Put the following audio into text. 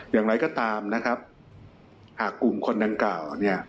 อย่างไรก็ตามหากกุมคนถังเก่า